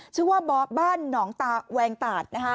ชื่อว่าบ๊อบบ้านหนองตาแวงตาด